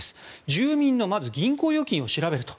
住民のまず銀行預金を調べると。